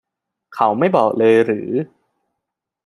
เขาไม่บอกเลยหรือ